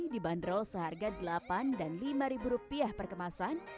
dibanderol seharga delapan dan lima ribu rupiah per kemasan